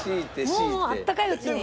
もうあったかいうちに。